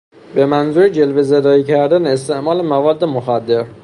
به منظور جلوهزدایی کردن استعمال مواد مخدر